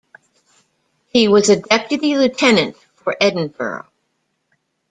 He was a Deputy Lieutenant for Edinburgh.